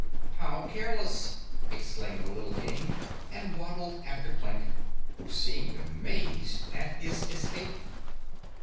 "How careless!" exclaimed the little King, and waddled after Klik, who seemed amazed at his escape.